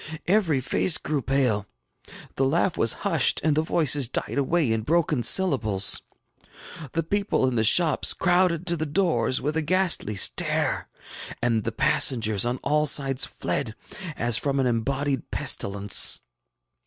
Every face grew pale; the laugh was hushed, and the voices died away in broken syllables; the people in the shops crowded to the doors with a ghastly stare, and the passengers oil all sides fled as from an embodied pestilence.